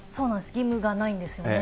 義務がないんですよね。